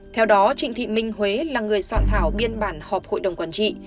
theo đó trịnh thị minh huế là người soạn thảo biên bản họp hội đồng quản trị